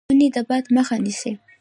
ونې د باد مخه نیسي.